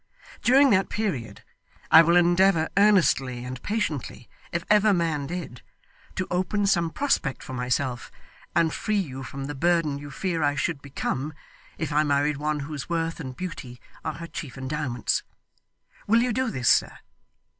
During that period, I will endeavour earnestly and patiently, if ever man did, to open some prospect for myself, and free you from the burden you fear I should become if I married one whose worth and beauty are her chief endowments. Will you do this, sir?